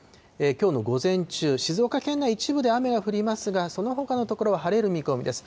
きょうの午前中、静岡県内一部で雨が降りますが、そのほかの所は晴れる見込みです。